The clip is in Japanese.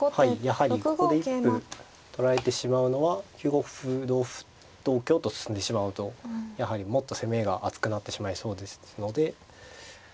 やはりここで一歩取られてしまうのは９五歩同歩同香と進んでしまうとやはりもっと攻めが厚くなってしまいそうですので。